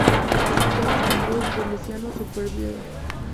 Temas compuestos por Luciano Supervielle.